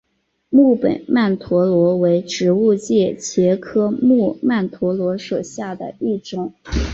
木本曼陀罗为植物界茄科木曼陀罗属下的一种。